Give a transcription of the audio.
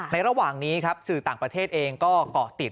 ระหว่างนี้ครับสื่อต่างประเทศเองก็เกาะติด